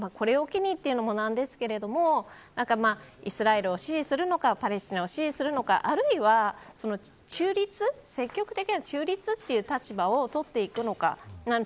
これを機にというのもなんですけれどもイスラエルを支持するのかパレスチナを支持するのかあるいは中立積極的な中立という立場をとっていくのか。